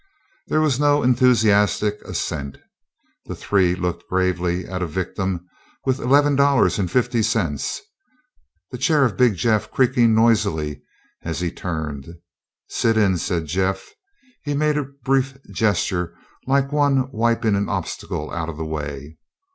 There was no enthusiastic assent. The three looked gravely at a victim with eleven dollars and fifty cents, the chair of Big Jeff creaking noisily as he turned. "Sit in," said Jeff. He made a brief gesture, like one wiping an obstacle out of the way.